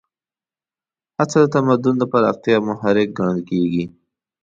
هڅه د تمدن د پراختیا محرک ګڼل کېږي.